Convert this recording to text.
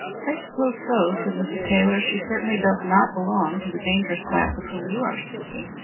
"I suppose so," said Mrs. Taylor. "She certainly does not belong to the dangerous class of whom you were speaking.